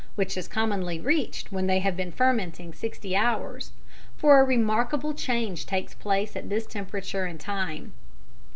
(which is commonly reached when they have been fermenting 60 hours), for a remarkable change takes place at this temperature and time.